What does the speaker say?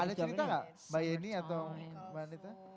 ada cerita nggak mbak yeni atau mbak anita